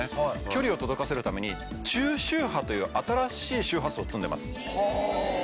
距離を届かせるために中周波という新しい周波数を積んでます